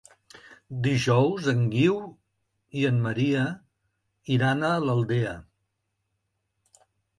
Dijous en Guiu i en Maria iran a l'Aldea.